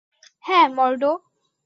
হ্যাঁ, মর্ডো।